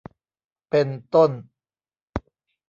เป็นต้น